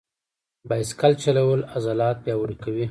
بایسکل چلول عضلات پیاوړي کوي.